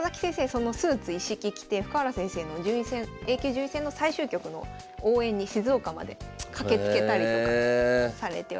そのスーツ一式着て深浦先生のＡ級順位戦の最終局の応援に静岡まで駆けつけたりとかされております。